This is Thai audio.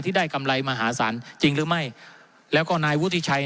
ได้กำไรมหาศาลจริงหรือไม่แล้วก็นายวุฒิชัย